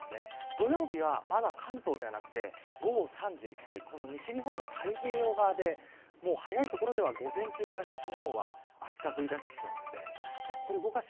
土曜日は、まだ関東ではなくて午後３時西日本の太平洋側で早いところでは午前中から西日本は、あした降り出してきそうです。